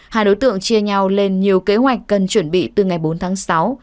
hai đối tượng chia nhau lên nhiều kế hoạch cần chuẩn bị từ ngày bốn tháng sáu